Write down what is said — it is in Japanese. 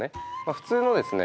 普通のですね